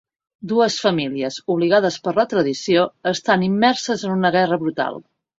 Dues famílies, obligades per la tradició, estan immerses en una guerra brutal.